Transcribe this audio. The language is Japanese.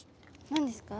何ですか？